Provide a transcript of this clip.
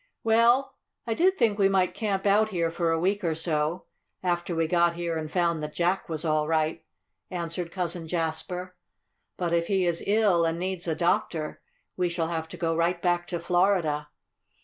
"Well, I did think we might camp out here for a week or so, after we got here and found that Jack was all right," answered Cousin Jasper. "But if he is ill, and needs a doctor, we shall have to go right back to Florida.